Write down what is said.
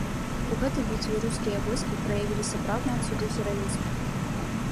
У гэтай бітве рускія войскі праявілі сапраўдныя цуды гераізму.